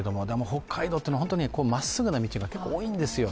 北海道というのは本当にまっすぐな道が結構多いんですよ。